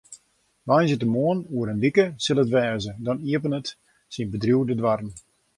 Woansdeitemoarn oer in wike sil it wêze, dan iepenet syn bedriuw de doarren.